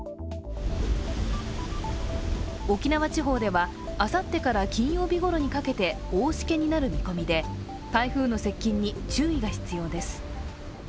沖縄地方ではあさってから金曜日ごろにかけて大しけになる見込みで台風の接近に注意が必要です。